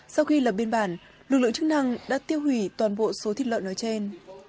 sau khi lập biên bản lực lượng chức năng đã tiêu hủy toàn bộ số thịt lợn nói trên